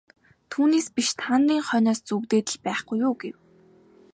Түүнээс биш та нарын хойноос зүүгдээд л байхгүй юу гэв.